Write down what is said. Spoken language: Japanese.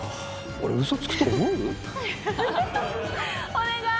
お願い！